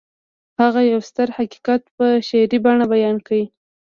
هغه يو ستر حقيقت په شعري بڼه بيان کړ.